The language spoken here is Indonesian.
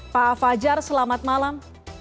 pak fajar selamat malam